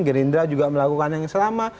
gerindra juga melakukan yang sama